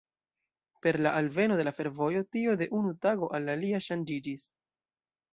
Per la alveno de la fervojo tio de unu tago al la alia ŝanĝiĝis.